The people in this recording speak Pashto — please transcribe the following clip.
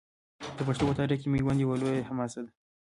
د پښتنو په تاریخ کې میوند یوه لویه حماسه ده.